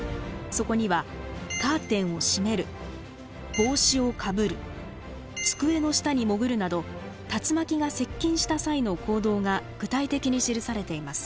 そこにはカーテンを閉める帽子をかぶる机の下に潜るなど竜巻が接近した際の行動が具体的に記されています。